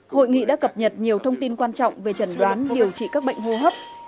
hội nghị đã cập nhật nhiều thông tin quan trọng về trần đoán điều trị các bệnh hô hấp